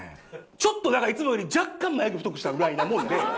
ちょっとだからいつもより若干眉毛太くしたぐらいなもんで。